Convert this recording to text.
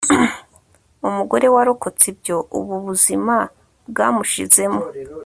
umugore warokotse ibyo ubu buzima bwamushizemo